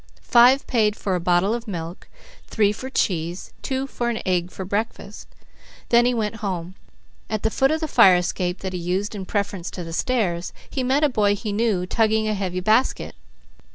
Five paid for a bottle of milk, three for cheese, two for an egg for breakfast. Then he went home. At the foot of the fire escape that he used in preference to the stairs, he met a boy he knew tugging a heavy basket.